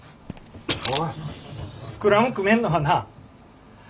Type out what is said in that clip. スクラム組めんのはなぁ